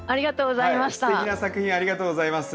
すてきな作品ありがとうございます。